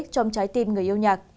trong trái tim người yêu nhạc